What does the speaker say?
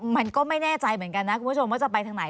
มันก็ไม่แน่ใจเหมือนกันนะคุณผู้ชมว่าจะไปทางไหน